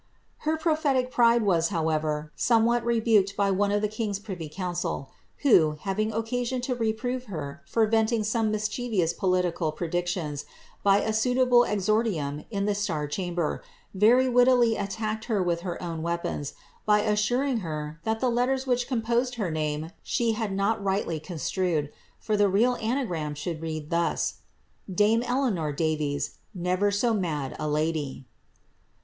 Her prophetic pride was, howerer, somewhat rebuked by one of the king^s priry council, who, having occasion to reprove her for venting some mischievous political predictions, hy a suitable exordium in the star chamber, very wittily attacked her with her own weapons, by assur ing her that the letters which composed her name she had not rightly construed, for the real anagram should be read thus : Dame Eleanor Davys, Mver so mad a lady.